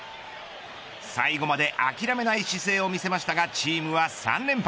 最後まで諦めない姿勢を見せましたがチームは３連敗。